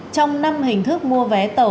trong năm hình thức mua vé tàu